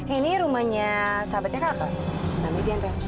ini rumahnya sahabatnya kakak namanya dianra